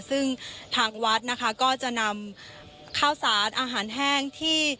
ซึ่งทางวัดนะคะก็จะนำข้าวสารอาหารแห้งที่